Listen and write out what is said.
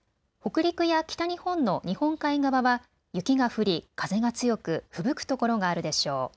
北陸や北日本の日本海側は雪が降り、風が強く、ふぶくところがあるでしょう。